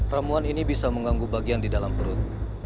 ramuan ini bisa mengganggu bagian di dalam perut